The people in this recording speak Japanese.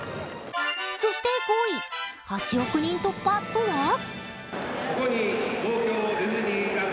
そして５位、８億人突破とは？